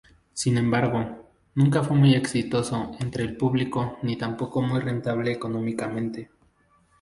Sin embargo, nunca fue muy exitoso entre el público ni tampoco muy rentable económicamente.